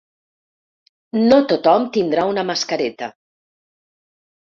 No tothom tindrà una mascareta.